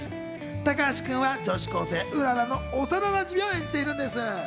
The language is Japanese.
高橋君は女子高生・うららの幼なじみを演じているんです。